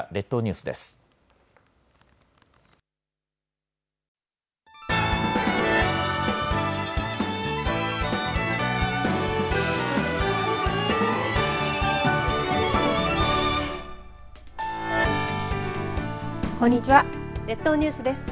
列島ニュースです。